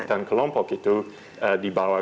dan kelompok itu dibawa